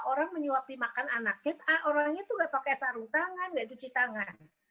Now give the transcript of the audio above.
orang menyuapi makan anaknya orangnya tuh nggak pakai sarung tangan nggak cuci tangan